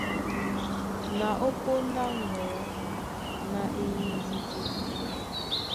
Na ó póndá á ŋgɔ̌ na eyididi.